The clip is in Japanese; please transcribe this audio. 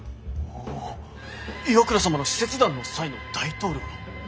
おぉ岩倉様の使節団の際の大統領の！